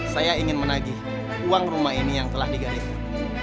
saya ingin menagih uang rumah ini yang telah digalikan